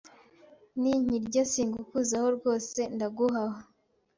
ninkirya singukuzaho rwose ndaguha ho,